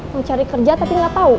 mau cari kerja tapi gak tau